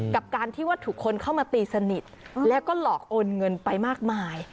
กับการที่ว่าถูกคนเข้ามาตีสนิทแล้วก็หลอกโอนเงินไปมากมาย